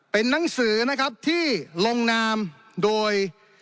เป็นหนังสือนะครับที่ลงนามโดย